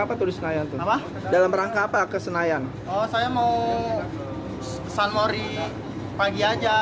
apa tuh di senayan apa dalam rangka apa ke senayan oh saya mau ke sunmori pagi aja